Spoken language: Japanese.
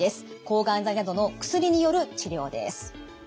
抗がん剤などの薬による治療です。